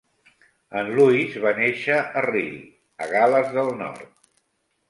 En Lewis va néixer a Rhyl, a Gales del nord.